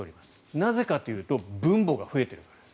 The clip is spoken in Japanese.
なぜかというと分母が増えているからです。